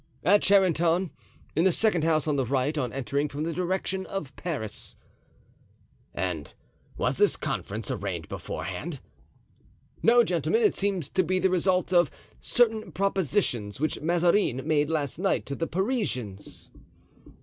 "At Charenton, in the second house on the right on entering from the direction of Paris." "And was this conference arranged beforehand?" "No, gentlemen, it seems to be the result of certain propositions which Mazarin made last night to the Parisians."